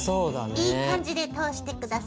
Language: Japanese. いい感じで通して下さい。